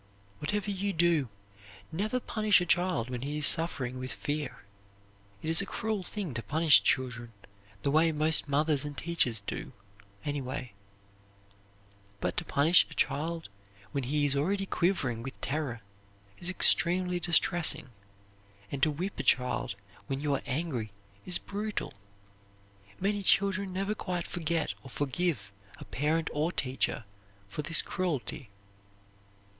Whatever you do, never punish a child when he is suffering with fear. It is a cruel thing to punish children the way most mothers and teachers do, anyway; but to punish a child when he is already quivering with terror is extremely distressing, and to whip a child when you are angry is brutal. Many children never quite forget or forgive a parent or teacher for this cruelty.